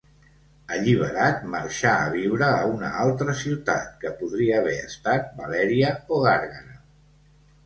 Alliberat, marxà a viure a una altra ciutat, que podria haver estat Valèria o Gàrgara.